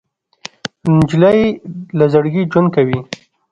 نجلۍ له زړګي ژوند کوي.